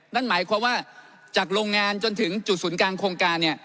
นั่นหมายความว่าจากโรงงานจนถึงจุดศูนย์กลางโครงการ